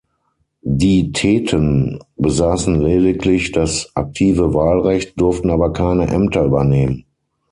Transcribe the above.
Die Theten besaßen lediglich das aktive Wahlrecht, durften aber keine Ämter übernehmen.